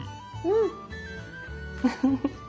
うん！